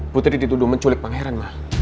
putri dituduh menculik pangeran mah